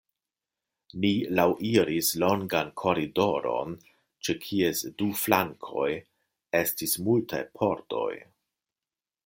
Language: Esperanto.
Ni laŭiris longan koridoron, ĉe kies du flankoj estis multaj pordoj.